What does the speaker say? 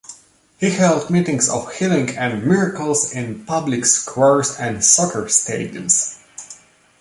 He held meetings of healing and miracles in public squares and soccer stadiums.